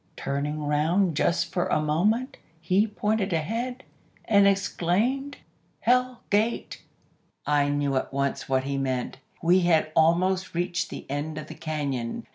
Turning round just for a moment he pointed ahead, and exclaimed, 'Hell Gate!' "I knew at once what he meant. We had almost reached the end of the cañon.